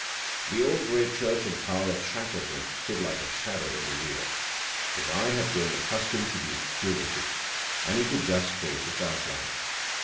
The old grey church and tower of Shackleton stood like a shadow in the rear. His eye had grown accustomed to the obscurity, and he could just trace its outline.